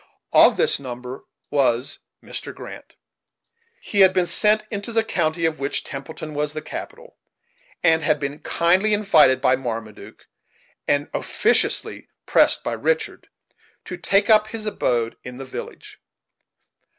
Of this number was Mr. Grant. He had been sent into the county of which Templeton was the capital, and had been kindly invited by Marmaduke, and officiously pressed by Richard, to take up his abode in the village.